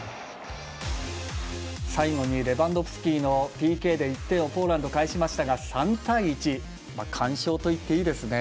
最後にレバンドフスキのＰＫで１点をポーランド返しましたが３対１完勝といっていいですね。